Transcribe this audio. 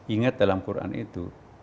ingat dalam quran itu